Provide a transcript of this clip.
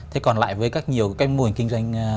thế còn lại với các nhiều cái mô hình kinh doanh